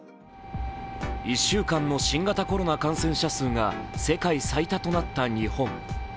１週間の新型コロナの感染者数が世界最多となった日本。